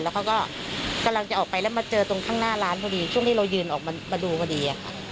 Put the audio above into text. แล้วเขาก็กำลังจะออกไปแล้วมาเจอตรงข้างหน้าร้านพอดีช่วงที่เรายืนออกมาดูพอดีค่ะ